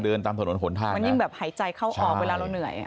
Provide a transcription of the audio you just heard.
เดินตามถนนหนทางมันยิ่งแบบหายใจเข้าออกเวลาเราเหนื่อย